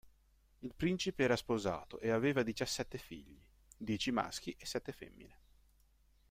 Il principe era sposato e aveva diciassette figli, dieci maschi e sette femmine.